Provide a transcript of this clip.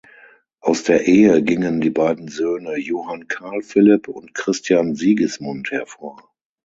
Aus der Ehe gingen die beiden Söhne Johann Carl Philipp und Christian Sigismund hervor.